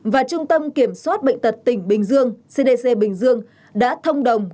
và trung tâm kiểm soát bệnh tật tỉnh bình dương cdc bình dương đã thông đồng